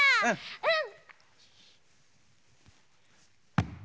うん！